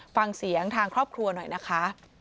ฟังเสียงทางครอบครัวหน่อยนะคะ